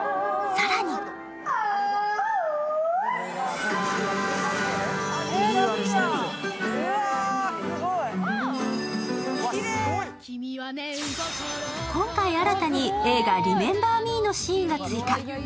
更に今回新たに、映画「リメンバー・ミー」のシーンが追加。